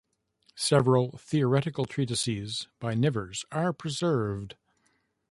Several theoretical treatises by Nivers are preserved.